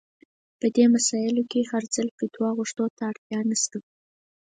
په دې مسايلو کې هر ځل فتوا غوښتو ته اړتيا نشته.